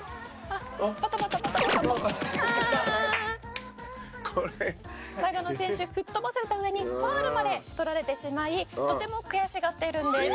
「バタバタバタバタああ！」「これ」「長野選手吹っ飛ばされた上にファウルまで取られてしまいとても悔しがっているんです」